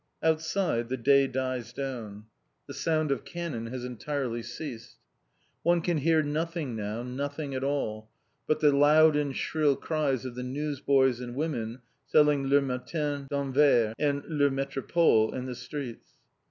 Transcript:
Outside, the day dies down. The sound of cannon has entirely ceased. One can hear nothing now, nothing at all, but the loud and shrill cries of the newsboys and women selling Le Matin d'Anvers and Le Métropole in the streets.